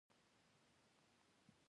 نور تر موږ ولې مخکې شول؟